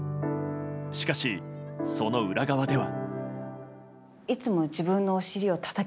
しかし、その裏側では。